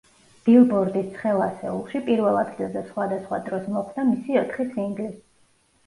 ბილბორდის ცხელ ასეულში პირველ ადგილზე სხვადასხვა დროს მოხვდა მისი ოთხი სინგლი.